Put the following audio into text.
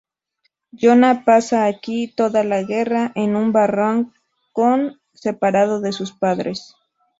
Jona pasa aquí toda la guerra, en un barracón separado de sus padres.